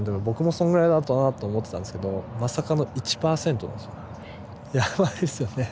僕もそんぐらいだと思ってたんですけどまさかの１％ですよ。